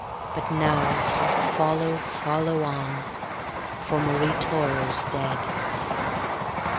. But now, oh, follow, follow on, for Marie Toro's dead.